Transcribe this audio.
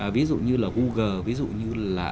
ví dụ như là google ví dụ như là